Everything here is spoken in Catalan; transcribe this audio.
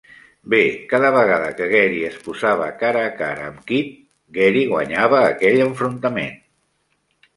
Bé, cada vegada que Gary es posava cara a cara amb Kidd, Gary guanyava aquell enfrontament.